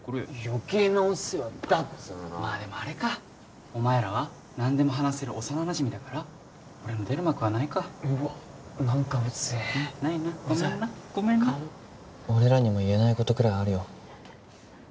余計なお世話だっつうのまあでもあれかお前らは何でも話せる幼なじみだから俺の出る幕はないかうわっ何かウゼえないなごめんなごめんなウザい俺らにも言えないことくらいあるよ